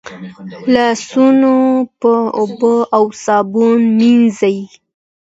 لاسونه په اوبو او صابون مینځئ.